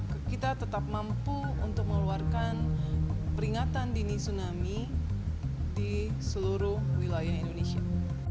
kita tetap mampu untuk mengeluarkan peringatan dini tsunami di seluruh wilayah indonesia